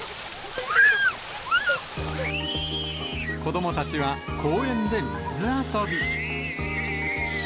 子どもたちは、公園で水遊び。